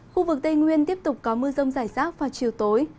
khu vực tây nguyên tiếp tục có mưa rông rải rác vào chiều tối